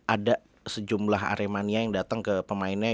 ada sejumlah aremania yang datang ke pemainnya